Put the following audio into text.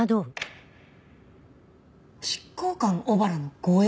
執行官小原の護衛？